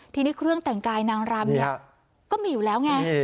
ทีนี้เครื่องแต่งกายนางรำเนี่ยก็มีอยู่แล้วไง